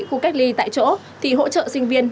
khu cách ly tại chỗ thì hỗ trợ sinh viên